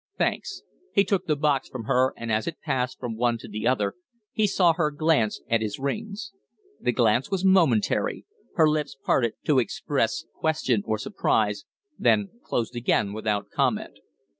"Thanks." He took the box from her, and as it passed from one to the other he saw her glance at his rings. The glance was momentary; her lips parted to express question or surprise, then closed again without comment.